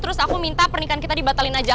terus aku minta pernikahan kita dibatalin aja